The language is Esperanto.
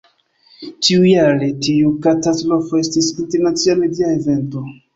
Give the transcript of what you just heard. Tiujare, tiu katastrofo estis internacia media evento.